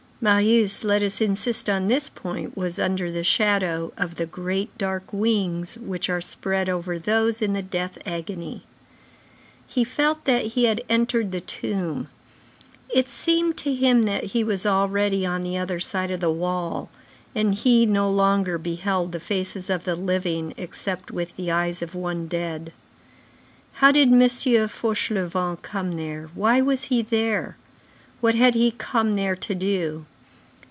Marius, let us insist on this point, was under the shadow of the great, dark wings which are spread over those in the death agony. He felt that he had entered the tomb, it seemed to him that he was already on the other side of the wall, and he no longer beheld the faces of the living except with the eyes of one dead. How did M. Fauchelevent come there? Why was he there? What had he come there to do?